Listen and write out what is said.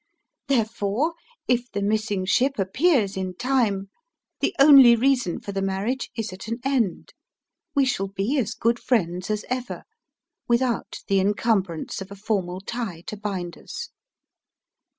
"Therefore if the missing ship appears in time, the only reason for the marriage is at an end. We shall be as good friends as ever; without the encumbrance of a formal tie to bind us.